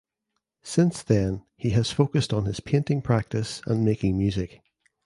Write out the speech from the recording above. Since then he has focussed on his painting practice and making music.